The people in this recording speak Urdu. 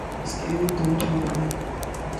اس کے دو جواب ہیں۔